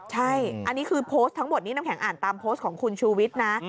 ใช่อันนี้คือโพสต์ทั้งหมดนี้น้ำแข็งอ่านตามโพสต์ของคุณชูวิทย์นะ